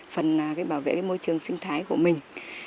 phần bảo vệ môi trường sinh thái của mình